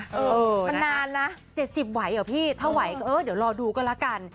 เป็นนานนะ๗๐ไหวอ่ะพี่เดี๋ยวรอดูก็แล้วกัน